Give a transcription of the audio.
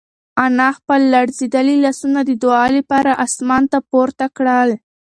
انا خپل لړزېدلي لاسونه د دعا لپاره اسمان ته پورته کړل.